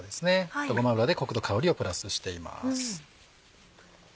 あとごま油でコクと香りをプラスしています。